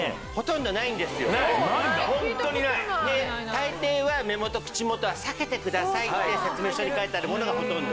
大抵は「目元・口元は避けてください」って説明書に書いてあるものがほとんど。